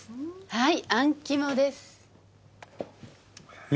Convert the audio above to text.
はい？